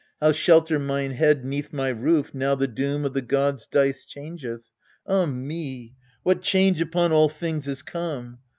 How shelter mine head 'Neath my roof, now the doom Of the gods' dice changeth ? ah me, what change upon all things is come